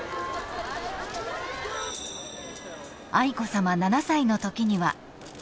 ［愛子さま７歳のときには］